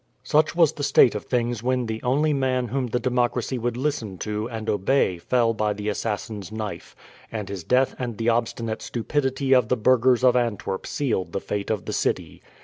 Such was the state of things when the only man whom the democracy would listen to and obey fell by the assassin's knife, and his death and the obstinate stupidity of the burghers of Antwerp sealed the fate of the city.